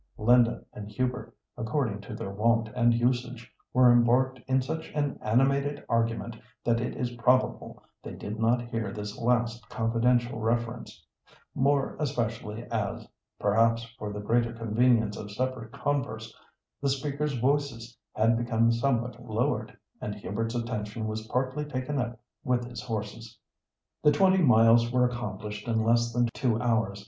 Linda and Hubert, according to their wont and usage, were embarked in such an animated argument that it is probable they did not hear this last confidential reference; more especially as—perhaps for the greater convenience of separate converse—the speakers' voices had become somewhat lowered, and Hubert's attention was partly taken up with his horses. The twenty miles were accomplished in less than two hours.